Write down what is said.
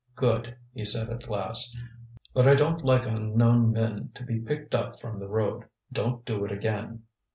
"Good," he said at last. "But I don't like unknown men to be picked up from the road. Don't do it again."